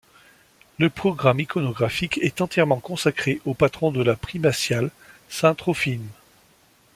Le programme iconographique est entièrement consacré au patron de la primatiale, saint Trophime.